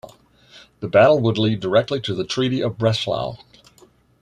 The battle would lead directly to the treaty of Breslau.